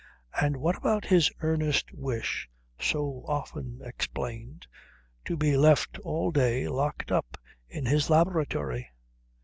And what about his earnest wish, so often explained, to be left all day locked up in his laboratory?